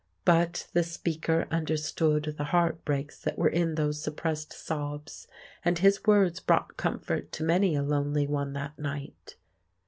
But the speaker understood the heartbreaks that were in those suppressed sobs, and his words brought comfort to many a lonely one that night.